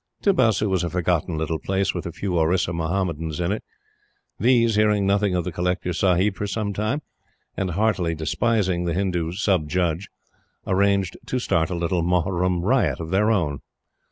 Tibasu was a forgotten little place with a few Orissa Mohamedans in it. These, hearing nothing of the Collector Sahib for some time, and heartily despising the Hindu Sub Judge, arranged to start a little Mohurrum riot of their own.